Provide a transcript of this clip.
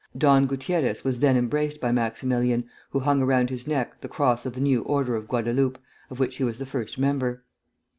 Don Gutierrez was then embraced by Maximilian, who hung around his neck the cross of the new Order of Guadeloupe, of which he was the first member.